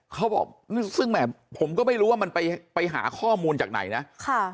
เขาบอกซึ่งแหมผมก็ไม่รู้ว่ามันไปไปหาข้อมูลจากไหนนะค่ะ